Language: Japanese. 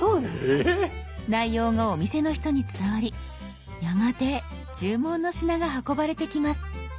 内容がお店の人に伝わりやがて注文の品が運ばれてきます。